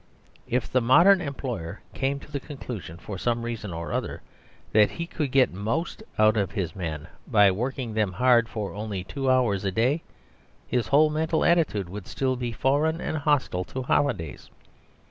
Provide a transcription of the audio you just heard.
If the modern employer came to the conclusion, for some reason or other, that he could get most out of his men by working them hard for only two hours a day, his whole mental attitude would still be foreign and hostile to holidays.